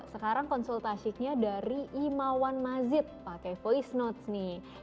sekarang konsultasinya dari imawan mazid pakai voice notes nih